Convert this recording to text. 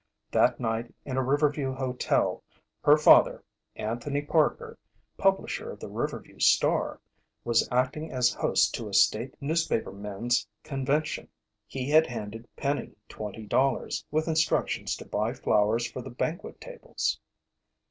That night in a Riverview hotel, her father, Anthony Parker, publisher of the Riverview Star, was acting as host to a state newspapermen's convention. He had handed Penny twenty dollars, with instructions to buy flowers for the banquet tables.